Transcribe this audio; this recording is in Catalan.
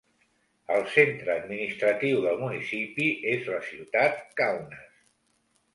El centre administratiu del municipi és la ciutat Kaunas.